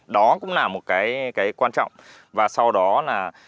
đó cũng là một cái quan trọng và sau đó là